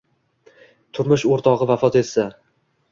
Turmush o‘rtog‘i vafot etsa